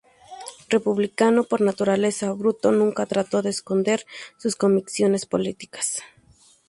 Republicano por naturaleza, Bruto nunca trató de esconder sus convicciones políticas.